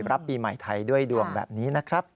รับปีใหม่ไทยด้วยดวงแบบนี้นะครับ